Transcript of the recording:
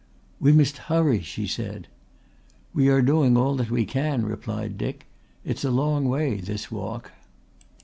"We must hurry," she said. "We are doing all that we can," replied Dick. "It's a long way this walk."